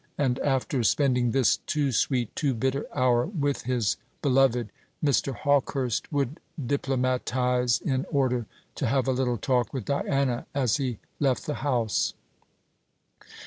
And after spending this too sweet, too bitter hour with his beloved, Mr. Hawkehurst would diplomatise in order to have a little talk with Diana as he left the house.